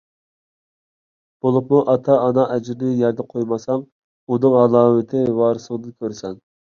بولۇپمۇ ئاتا-ئانا ئەجرىنى يەردە قويمىساڭ، ئۇنىڭ ھالاۋىتىنى ۋارىسىڭدىن كۆرىسەن.